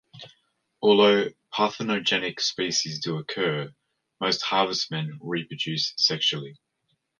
Although parthenogenetic species do occur, most harvestmen reproduce sexually.